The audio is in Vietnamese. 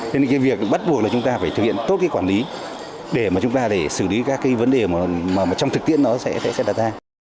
thế nên cái việc bắt buộc là chúng ta phải thực hiện tốt cái quản lý để mà chúng ta để xử lý các cái vấn đề mà trong thực tiễn nó sẽ đặt ra